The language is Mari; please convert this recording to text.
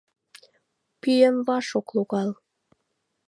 Пӱем ваш ок логал.